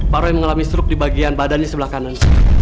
pak roy mengalami struk di bagian badannya sebelah kanan